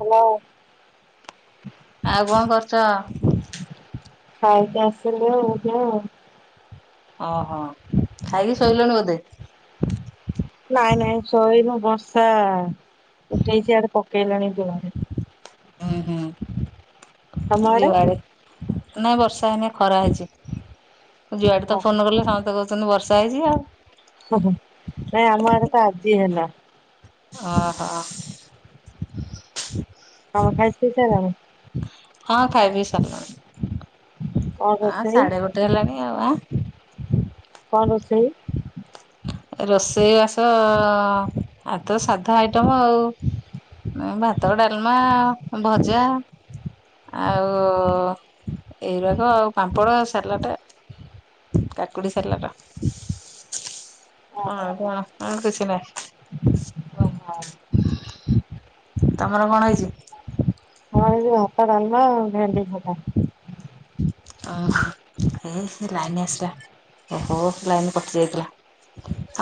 Hello. ଆଉ କଣ କରୁଚ? ଖାଇକି ଆସିଲି ଆଓ ଏବେ ଆଓ। ଓହୋ, ଖାଇକି ଶୋଇଲଣି ବୋଧେ। ନାଇଁ ନାଇଁ ଶୋଇନୁ ବର୍ଷା, ଉଠେଇଛି ଇଆଡ଼େ ପକେଇଲାଣି ଜୋର ରେ। ହୁଁ ତମ ହୁଁ ଆଡେ? [inaudible] ନାଇଁ ବର୍ଷା ହେଇନି ଖରା ହେଇଛି, ଯୁଆଡେ ତ ଓହୋ। ଫୋନ କଲେ ସମସ୍ତେ କହୁ [unintelligible] ବର୍ଷା ହେଇଛି କି ଆଉ। ଓ ହ ନାଇଁ ଆମ ଆଡେ ତ ଆଜି ହେଲା। ଆ ହା ତମେ ଖାଇ ପି ସାରିଲାଣି। ହଁ ଖାଇ ପି ସାରିଲୁଣି। କଣ ହଁ ରୋଷେଇ? ସାଢେ ଗୋଟେ ହେଲାଣି ଆଉ ଆ କଣ ରୋଷେଇ? ରୋଷେଇ ବାସ ଆଜି ତ ସାଧା ଆଇଟମ ଆଉ। ନାଇ ଭାତ ଡାଲମା ଭଜା। ଆଉ, ଏଇଗୁରାକ ଆଉ ପାମ୍ପଡ଼ ଆଉ ସାଲାଟ କାକୁଡି ସାଲଟ। [unintelligible] ଓହୋ। ଆଉ କିଛି ନାଇ। ଓହୋ ଆମର ତମର କଣ ହେଇଚି? ଖାଇଲି ଭାତ ଡାଲମା ଆଉ ଭେଣ୍ଡି ଭଜା। [unintelligible] ଓ ହେ ଲାଇନ ଆସିଲା ଓହୋ ଲାଇନ କଟି ଯାଇଥିଲା।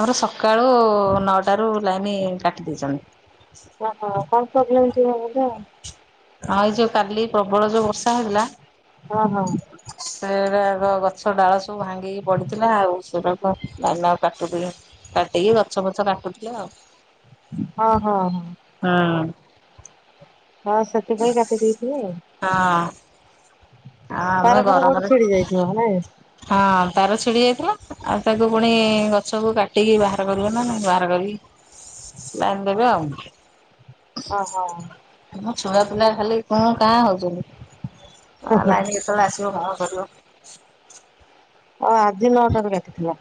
ଆମର ସକାଳୁ ନଅଟାରୁ ଲାଇନ୍ କାଟି ଦେଇଚନ୍ତି। ଓହୋ କଣ ପ୍ରୋବ୍ଲେମ ଥିବ ବୋଧେ ଆଉ। ଆଇ ଯୋଉ କାଲି ପ୍ରବଳ ଯୋଉ ବର୍ଷା ହେଇଥିଲା। ହଁ ହଁ। [unintelligible] ସେଗୁଡାକ ଗଛ ଡାଳ ସବୁ ଭାଙ୍ଗିକି ପଡିଥିଲା ଆଉ ସେଡାକ [unintelligible] କାଟୁଥୁଲେ। କାଟିକି ଗଛ ଫଛ କାଟୁଥିଲେ ଆଉ। ହଁ ହଁ। ହଁ। ହଁ ସେଥିପାଇଁ କାଟି ଦେଇ ଥିବେ। ହଁ। ଆମେ ତାର ଫାର କୋଉଠି ଗରମରେ ଛିଡି ଯାଇଥିବ ନାଇଁ। ହଁ ତାର ଛିଡି ଯାଇଥିଲା ଆଉ ତାକୁ ପୁଣି ଗଛକୁ କାଟିକି ବାହାର କରିବ ନା ବାହାର କରିକି? ଲାଇନ୍ ଦେବେ ଆଉ। ଓ ହୋ। ମୋ ଛୁଆ ପିଲା ଖାଲି କୁଁ କାଁ ହଉଛନି ଲାଇନ କେତେବେଳେ ଆସିବ କଣ କରିବ? ହଁ ଆଜି ନଅଟାରୁ କାଟିଥିଲା।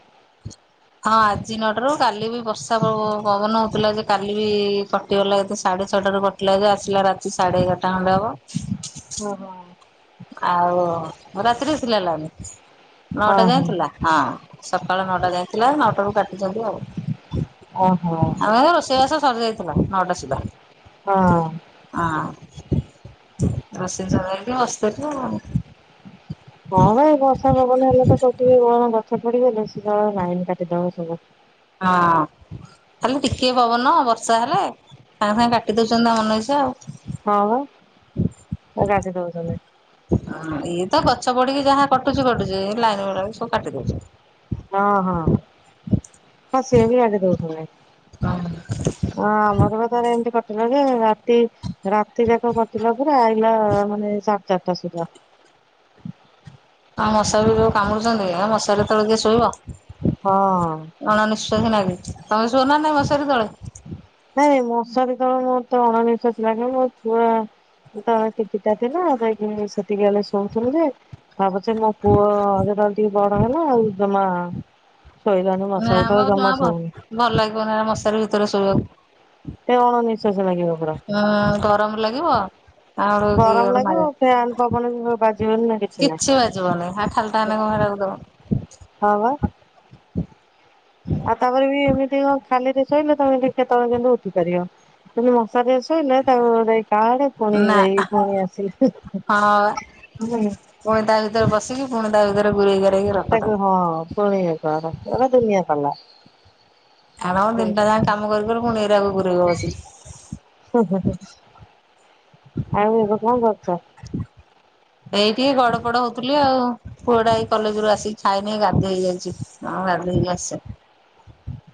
ହଁ ଆଜି ନଅଟାରୁ କାଲି ବି ବର୍ଷା ପବ ପବନ ହଉଥିଲା ଯେ କାଲି ବି କଟିଗଲା ଏତେ ସାଢେ ଛଅଟାରୁ କ କଟିଲା ଯେ ଆସିଲା ରାତି ସାଢେ ଏଗାରଟା ଖଣ୍ଡେ ହବ। ହୁଁ ହୁଁ। ଆଉ ରାତିରେ ଥିଲା ଲାଇନ୍ ହଁ ନଅଟା ହଁ ଯାଏଁଥିଲା। ହଁ ସକାଳ ନଅଟା ଯାଏଁଥିଲା ନଅଟା ରୁ କାଟିଛନ୍ତି ଆଉ। ଓହୋ। ଆମର ରୋଷେଇବାସ ସରି ଯାଇଥିଲା ନଅଟା ସୁଧା। ହଁ। ଆଁ ରୋଷେଇ ସରିଯାଇଚି ବସି ଥିବ। [unintelligible] ହବା ଏଇ ବର୍ଷା ପବନ ହେଲେ ତ କୋଉଟି ଟିକେ କଣ ଗଛ ପଡିଗଲେ ବେଶୀ ସମୟ ଲାଇନ୍ କାଟିଦବ ସବୁ। ହଁ। ଖାଲି ଟିକେ ପବନ ବର୍ଷା ହେଲେ ସାଙ୍ଗେ ସାାଙ୍ଗେ କାଟି ଦଉଚନ୍ତି ତାଙ୍କ ମନଇଛା ଆଉ। ହଁ ବା କାଟି ଦୋଉଚନ୍ତି। ଇଏ ତ ଗଛ ପଡିକି ଯାହା କଟୁଚି କଟୁଚି ଲାଇନ୍ ବାଲା ସବୁ କାଟି ଦଉଚନ୍ତି। ହଁ ହଁ ହଁ ସିଏ ବି କାଟି ଦୋଉଥିବେ। ଅ। ହଁ ଆମର ବି ଥରେ ଏମିତି କଟିଲା ଯେ ରାତି ରା ତି ଯାକ କଟିଲା ପୁରା ଆଇଲା ମାନେ ସାଢ଼େ ଚାରିଟା ସୁଦ୍ଧା। ଆଁ ମଶାରୁ ଯୋଉ କାମୁଡୁଚନ୍ତି ହେ ମାଶାରି ତଳେ କିଏ ଶୋଇବ। ହଁ। ଅଣ ନିଶ୍ୱାସୀ ନାଗୁଚି ତମେ ଶୁଅ ନା ନାଇଁ ମଶାରୀ ତଳେ? ନାଇଁ ମଶାରି ତଳେ ମୋତେ ଅଣନିଶ୍ୱାସୀ ଲାଗେ ମୁଁ ସୁଏ ଏଠି ତ କିଛିଟା ଥିଲା ଆଉ ଯାଇ କି ସ ଟିକେ ହେଲେ ଶୋଉଥୁଲୁ ଯେ ଭାବୁଛେ ମୋ ପୁଅ ଯେତେବେଳେ ଟିକେ ବଡ ହେଲା ଆଉ ଜମା ଶୋଇଲାନି ନା ମଶାରୀ ମ ତଳେ ଜମା ଭଲ ସୋଉ ନି। ଭଲ ଲାଗିବ ନା ହେରା ମଶାରୀ ଭିତରେ ଶୋଇବାକୁ? ସେ ଅଣ ନିଶ୍ଵାସି ଲାଗିବ ପୁରା। ଅ ଗରମ ଲାଗିବ। ଆଡ କି ଗରମ ଲାଗିବ [unintelligible] ଫ୍ୟାନ ପବନ ବି ବାଜିବନି ନା ନାହିଁ। କିଛି ବାଜିବନି ହା ଖା ଟାନେ କ ପାଇଁ ହେରାକୁ ଦବ। ହଁ ବା। ଆଉ ତାପରେ ବି ଏମିତି କଣ ଖାଲିରେ ଶୋଇଲେ ତମେ ନିଜେ ତଳୁ କିନ୍ତୁ ଉଠି ପାରିବ। ଯଦି ମଶାରୀରେ ଶୋଇଲେ ତାକୁ ଯାଇ କାଡେ। ପୁଣି ନା ଯାଇ କି ପୁଣି ଆସିଲେ ହଁ [unintelligible] ପୁଣି ତା ଭିତରେ ବସିକି, ପୁଣି ତା ଭିତରେ ଗୁରେଇ ଗାରେଇକି ରଖ ତାକୁ। ହଁ। ପୁଣି ଇଏ କର ଏରା ଦୁନିଆ ପାଲା। ଆଣ ଦିନଟା ଯାକ କାମ କରି କରି ପୁଣି ଏଇରାକ ଗୁରେଇବ ବସି କି। [unintelligible] ଆଉ ଏବେ କଁ କରୁଛ? ଏଇ ଟିକେ ଗଡ ପଡ ହଉଥିଲି ଆଉ। ପୁଅଟା ଏଇ କଲେଜରୁୁ ଆସିକି ଖାଇ ନେଇ ଗାଧେଇ ଯାଇଛି, ଗାଧେଇ କି ଆସେ।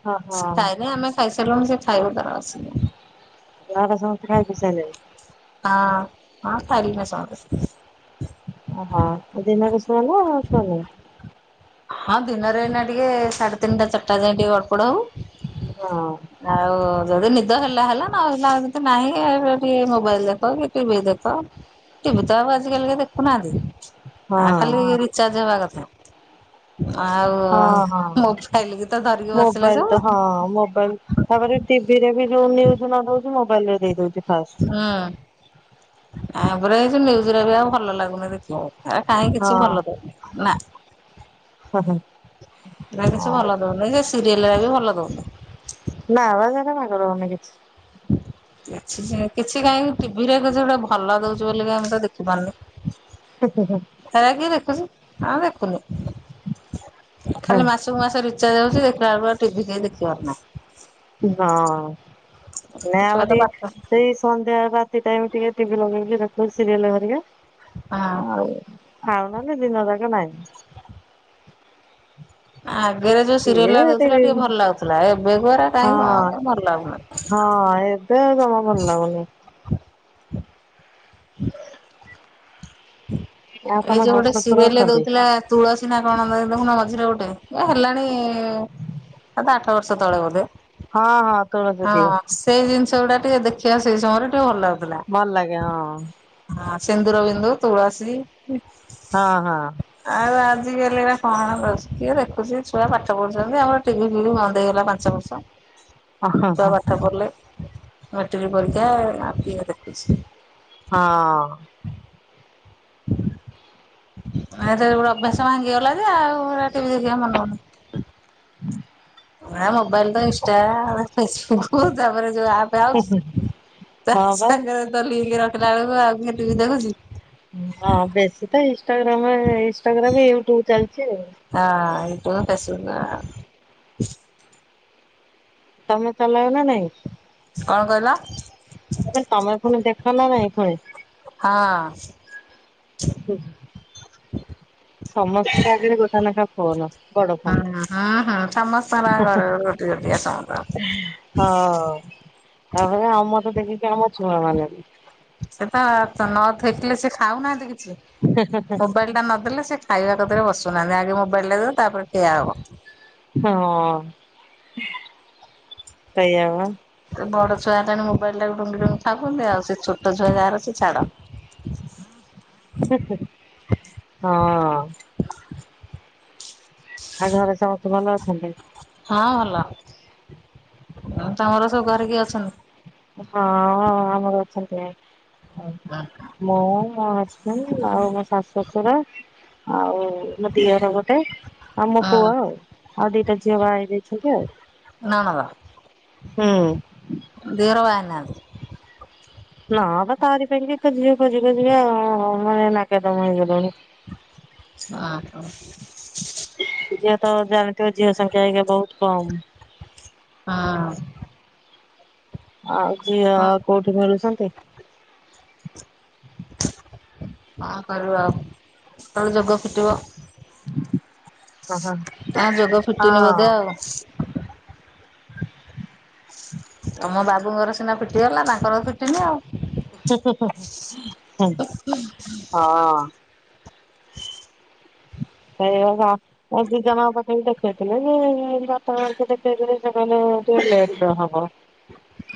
ହଁ ହଁ ଖାଇ ନେଇଁ ଆମେ ଖାଇସାରିଲୁଣି ସେ ଖାଇବ ତାର ଆସି କି। ଘରେ ସମସ୍ତେ ଖାଇ ପିଇ ସାଇଲେଣି? ହଁ, ହଁ ଖାଇଲେଣି ସମସ୍ତେ। ଓହୋ ଦିନରେ ସୁଅ ନା ସୁଅ ନି? ହଁ ଦିନରେ ଏଇନା ଟିକେ ସାଢେ ତିନିଟା ଚାରିଟା ଯାଏ ଟିକେ ଗଡପଡ ହବୁ। ହଁ। ଆଉ ଯଦି ନିଦ ହେଲା ହେଲା ନ ହେଲା ଆଉ ତ ନାହିଁ, ଟିକେ ମୋବାଇଲ ଦେଖ କି ଟିଭି ଦେଖ। ଟିଭି ତ ଆଉ ଆଜିିକାଲିି କେହି ଦେଖୁନାହାନ୍ତି, ହଁ ଆ ଖାଲି ରିଚାର୍ଜ ହବା କଥା। ଆଉ। ହଁ ହଁ ମୋବାଇଲ କି ତ ଧରିକି ବସିଲେ ମୋବାଇଲ ସବୁ ତ ହଁ ମୋବାଇଲ ତାପରେ ଟିଭିରେ ବି ଯୋଉ ନ୍ୟୁଜ ନ ଦୋଉଚୀ ମୋବାଇଲରେ ଦେଇ ଦଉଛି ହୁଁ। ଫାଷ୍ଟ। ଆ ପରା ଏଇ ଯୋଉ ନ୍ୟୁଜରା ବି ଆଉ ଭଲ ଲାଗୁନି ଦେଖିବାକୁ ଏରା କାଇଁ କିଛି ହଁ ଭଲ ଦଉନି ନା। ହୁଁ ହୁଁ। ହେରା କିଛି ଭଲ ଦଉନି, ସେ ସିରିଏଲରା ବି ଭଲ ଦଉନି। ନା ପା ହେରା ବାଗ ଦୋଉନି କିଛି। କିଛି କାହିଁକି ଟିଭିରେ କିଛି ଗୋଟେ ଭଲ ଦଉଛି ବୋଲି କାଇଁ ମୁଁ ଦେଖିପାରୁନି। [unintelligible] ହେରା କିଏ ଦେଖୁଛି ଆଉ ଦେଖୁନୁ, ହଁ ଖାଲି ମାସ ସୁକୁ ମାସ ରିଚାର୍ଜ ହଉଛି, ଦେଖିଲାବେଳକୁ ଆଉ ଟିଭି କେହି ଦେଖିବାର ନାହିଁ। ହଁ ନା ଆମେ ଛୁଆ ତ ପାଠ ଟିକେ ସେଇ ସନ୍ଧ୍ୟା ରାତି ଟାଇମ୍ ଟିକେ ଟିଭି ଲଗେଇକି ଦେଖୁ ସିରିଏଲ ହରିକା ହଁ। ଆଉ। ଆଉ ନହଲେ ଦିନ ଯାଗ ନାହିଁ। ଆଗରେ ଯୋଉ କିଏ ସିରିଏଲ ରା ଦଉଥିଲା ଟିଭି ଟିକେ ଭଲ ଲାଗୁଥିଲା ଏବେ କୁ ହଁ କାଇଁ ଭଲ ଲାଗୁନି। ହଁ ଏବେ ଯମା ଭଲ ଲାଗୁନି। ଆଉ ଏଇ ତମ ଯୋଉ ଶାଶୁ ଗୋଟେ ଶ୍ୱଶୁର ସିରିଏଲ ଅଛନ୍ତି? ଦଉଥିଲା ତୁଳସୀ ନା କଣ ଦେଖୁନ ମଝିରେ ଗୋଟେ ଏ ହେଲାଣି ସାତ ଆ ଠ ବର୍ଷ ତଳେ ବୋଧେ। ହଁ ହଁ ତୁଳସୀ ଦିଏ। ହଁ ସେଇ ଜିନିଷ ଗୁଡା ଟିକେ ଦେଖିବା ସେଇ ସମୟରେ ଟିକେ ଭଲ ଲାଗୁ ଭଲ ଲାଗେ ହଁ। ହଁ ସିନ୍ଦୁରବିନ୍ଦୁ, ତୁଳସୀ। ହଁ ହଁ। ଆଉ ଆଜିକାଲି ଇଏ କଣ କରୁଛି କିଏ ଦେଖୁଛି ଛୁଆ ପାଠ ପଢୁଛନ୍ତି ଆମର ଟିଭି ଫିଭି ବନ୍ଦ ହେଇଗଲା। [unintelligible] ହଁ ହଁ ହଁ। ପାଠପଢିଲେ ମ୍ୟାଟିକି ପରୀକ୍ଷା ଆଉ କିଏ ଦେଖୁଛି। ହଁ। ଏ [unintelligible] ଅଭ୍ୟାସ ଭାଙ୍ଗି ଗଲା ଯେ ଆଉ ଟିଭି ଦେଖିବାକୁ ମନ ହଉନି। ନା ମୋବାଇଲ ତ ଇନିଷ୍ଟା, ଫେସବୁକୁ, ତାପରେ ଯୋଉ ଆପ, ତାଉଚି ତା ହଁ ବା ସାଙ୍ଗରେ ତ ଲିଙ୍କ୍ ରଖିଲା ବେଳକୁ ଆଉ କିଏ ଟିଭି ଦେଖୁଛି। ହଁ ବେଶୀ ତ ଇନଷ୍ଟାଗ୍ରାମ ଇନଷ୍ଟାଗ୍ରାମି ୟୁଟ୍ୟୁବ ଚାଲିଚି ଆଉ। ଆଁ ୟୁଟ୍ଯବ୍ ଫେସବୁକ୍ ନା। ତମେ ଚଲାଅ ନା ନାଇଁ? କଣ କହିଲ? ମୁଁ କହିଲି ତମେ ପୁଣି ଦେଖ ନା ନାହିଁ ପୁଣି? ହଁ। ହୁଁ। ସମସ୍ତଙ୍କ ଆଗରେ ଗୋଟା ନାଖା ଫୋନ୍ ବଡ ଫୋନ୍। ହଁ ହଁ ହଁ ସମସ୍ତଙ୍କର ଘରେ ଗୋଟି ଗୋଟିଆ ସମସ୍ତଙ୍କର। ହଁ ତାପରେ ଆମଠୁ ଦେଖିକି ଆମ ଛୁଆ ମାନେ ବି। ସେତ ତନ ନଥୋଇଥିଲେ ସେ ଖାଉନାହାନ୍ତି କିଛି। ମୋବାଇଲି ଟା ନଦେଲେ ସେ ଖାଇବା କତିରେ ବସୁନାହାନ୍ତି। ଆଗେ ମୋବାଇଲିଟା ଦେବେ ତାପରେ ଖିଆ ହବ। ହଁ ସେଇଆବା। ତ ବଡଛୁଆ ହେଲା ମୋବାଇଲି ଟାକୁ ଡୁଙ୍ଗି ଡୁଙ୍ଗି ଖାଉଛନ୍ତି। ଆଉ ସେ ଛୋଟ ଛୁଆ ଯାହାର ଛାଡ। ହଁ। ଆଉ ଘରେ ସମସ୍ତେ ଭଲ ଅଛନ୍ତି? ହଁ ଭଲ ଆଉ ତମର ସବୁ ଘରେ କିଏ ଅଛନ୍ତି? ହଁ ଆମର ଅଛନ୍ତି। ମୁଁ ମୋ ହଜବଣ୍ଡ ଆଉ ମୋ ଶାଶୁ ଶ୍ୱଶୁର ଆଉ ମୋ ଦିଅର ଗୋ ଟେ ଆଉ ମୋ ହଁ ପୁଅ ଆଉ ଆଉ ଦିଟା ଝିଅ ବା ହେଇଯାଇଛନ୍ତି ଆଉ। ନଣନ୍ଦ ହୁଁ। ଦିଅର ବାହାହେଇନାହାନ୍ତି? ନା ବା ତାରି ପାଇଁକା ଝିଅ ଖୋଜି ଖୋଜି କା ମାନେ ନାକେଦମ୍ ହେଇଗଲୁଣି। ଆଁ ହଁ। ଝିଅ ତ ଜାଣିଥିବ ଝିଅ ସଂଖ୍ୟା ଆଜ୍ଞା ବହୁତୁ କମ୍? ହଁ। ଆଉ ଝିଅ ହଁ। କୋଉଠି ମିଳୁଛନ୍ତି। କଣ କରିବ ଆଉ କେତେବେଳେ ଯୋଗ ଫିଟିବ। ଓ ହୋ ହଁ। ବସ୍। ତମ ବାବୁଙ୍କର ସିନା ଫିଟିଗଲା ତାଙ୍କର ଫିଟିନି ଆଉ। ହଁ। ସେଇ ବା ଆଜିିଜା ମା ପାଖ ବି ଦେଖେଇଥିଲେ ଯେ, ବାପା ମାଙ୍କୁ ଦେଖେଇଥିଲେ ସେମାନେ ଟିକେ ଲେଟ ରେ ହବ।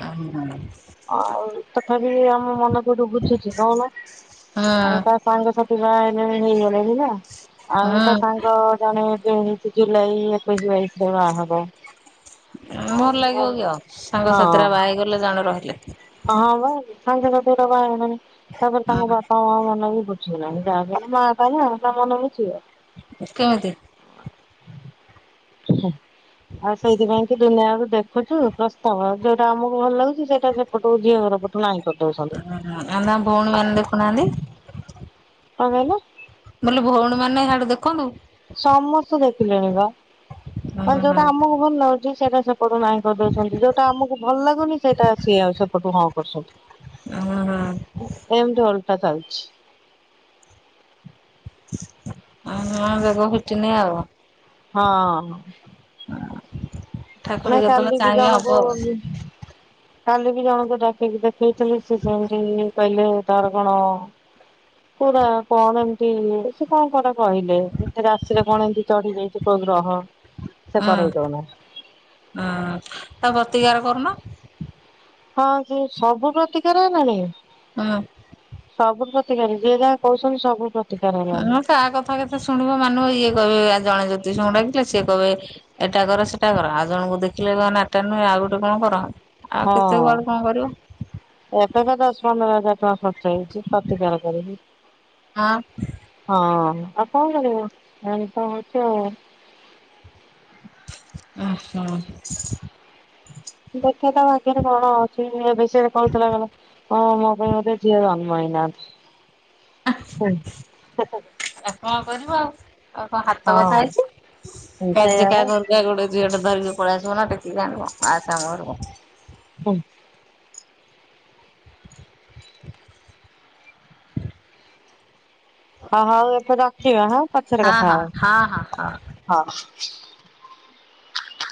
ହଁ ହଁ ଆଉ ତଥାପି ଆମ ମନ କଉଠୁ ବୁଝୁଛି, କଉ ନ ଅତା ସାଙ୍ଗସାଥି ବା ଏବେ ହେଇଗଲେଣି ନା। ଆଉ ହୁଁ ତାସାଙ୍ଗ ଜଣେ କିଏ ଜୁଲାଇ ଏକୋଇଶ, ବାଇଶରେ ବାହା ହବ। କିଅଣ ଲାଗିବ କି ଆଉ ସାଙ୍ଗ ହଁ। ସାଥିରେ ବାହା ହେଇଗଲେ ଜଣେ ରହିଲେ ହଁ ବା ସାଙ୍ଗ ସାଥିରେ ତ ବାହା ହେଇଗଲେଣି। ତାପରେ ତମ ବାପ ମା ମନ ବୁଝୁନି ଯ ମା ବପା [unintelligible] ନା ମନେ ବୁଝିବ କଅଁ କି ହୁ ଆଉ ସେଇଥିପାଇଁ କି ଦୁନିଆରୁ ଦେଖ। ଖୋଜୁ ପ୍ରସ୍ତାବ ଯୋଉଟା ଆମକୁ ଭଲ ଲାଗୁଛି। ସେଇଟା ସେପଟୁ ଝିଅ ଘର ପଟୁ ନାହିଁ କରିଦଉଛନ୍ତି। ହଁ ଆମା ଭଉଣୀମାନଙ୍କୁ ଦେଖୁନାହାନ୍ତି। ଆଉ ଭଲ? ବୋଲେ ଭଉଣୀ ମାନେ ସାଡେ ଦେଖନ୍ତୁ। ସମସ୍ତେ ଦେଖିଲେଣି ବା ହେ ହୁଁ ହୁଁ ଯୋଉଟା ହୁଁ ଆମକୁ ଭଲ ଲାଗୁଛି, ସେଇଟା ସେପଟୁ ନାଇଁ କରିଦଉଛନ୍ତି, ଯୋଉଟା ଆମକୁ ଭଲ ଲାଗୁନି ସେଇଟା ସିଏ ଆସି ସେପଟୁ ହଁ କରୁଛନ୍ତି। ହୁଁ ହୁଁ ଏମିତି ଓଲଟା ଚାଲୁଛି। ହ ବଗ ଫିଟିନି ଆଉ। ହଁ ଠାକୁର ନାଇଁ ଖାଲି ଯେତେବେଳେ ବିି ଚାହିଁବେ ଜଣ ହବ କୁ ଆଉ ନି କାଲି ବି, ଜଣକୁ ଡାକି କି ଦେଖେଇଥିଲି। ସେ ଯେମିତି କହିଲେ ତାର କଣ ହ [unintelligible] ପୁରା କଣ ଏମିତି ସେ କଣ କଟା କହିଲେ। ତ ରାଶିରେ କଣ ଏମିତି ଚଢି ଯାଇଛି କୋଉ ଗ୍ରହ ସେ ହଁ କରେଇ ଦଉନା ହଁ ତାର ପ୍ରତିକାର କରୁନ? ହଁ ସେ ସବୁ ପ୍ରତିକାର ହେଲାଣି! ହଁ ସବୁ ପ୍ରତିକାର ହେଲାଣି। ଯିଏ ଯାହା କହୁଛନ୍ତି ସବୁ ପ୍ରତିକାର ହେଲାଣି। କା କଥା କେତେ ଶୁଣିବ, ମାନିବ ଇଏ କହିବ ଆଉ ଜଣ ଜ୍ୟୋତିଷୁଙ୍କୁ ଡାକିଥିଲେ ସିଏ କହିବେ ଏଟା କର, ସେଟା କର, ଆଉ ଜଣଙ୍କୁ ଦେଖିଲେ କ ନାଟା ନୁହେଁ ଆଉ ଗୋଟେ କଣ କର ଆଉ ହଁ କେତେ କୁଆଡୁ କଣ କରିବ ହଁ ଏବେକା ଦଶ ପନ୍ଦର ହଜାର ଟଙ୍କା ଖର୍ଚ୍ଚ ହେଇଛି। ପ୍ରତିକାର କରିକି। ହଁ ଆଉ କଣ କରିବୁ, ଏନ୍ତା ହଉଛ ଆଉ। ଓ ହୋ ଦେଖେ ତ ଭଗ୍ୟରେ କଣ ଅଉଛି। ଏ ବିଷୟରେ କହୁଥିଲା ଗଲା ହଁ ମୋ ପାଇଁ ବୋଧେ ଝିଅ ଜନ୍ମ ହେଇନାହାନ୍ତି। ଆ, କଣ କରିବ ଆଉ, ଆଉ କଣ ହାତ କଥା ହଁ ଅଛି। କାର୍ଯ୍ୟ ସେଇଆ କା ବା ଘରକୁ ଯା ଗୋଟେ ଝିଅ ଧରିବ ପଳେଇ ଆସିବ ନା ଟେକି କି ଆଣିବ ଆ ତା ମରିବ ହୁଁ। ହ ହଉ ଏଥର ରଖିବା ହଁ, ପଛର ହଁ କଥା ହଁ ହଁ ହଁ ହଁ। ହବା ହଉ।